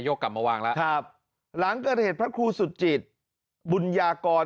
กลับมาวางแล้วครับหลังเกิดเหตุพระครูสุจิตบุญยากร